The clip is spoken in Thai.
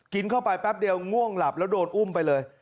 กินเข้าไปแป๊บเดียวง่วงหลับแล้วโดนอุ้มไปเลย